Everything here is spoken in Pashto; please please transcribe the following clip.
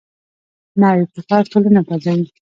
نوی ابتکار ټولنه بدلوي